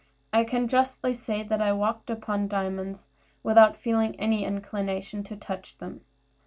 I can justly say that I walked upon diamonds, without feeling any inclination to touch them.